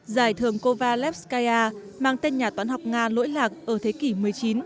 giải thưởng cova lefkaia mang tên nhà toán học nga lỗi lạc ở thế kỷ một mươi chín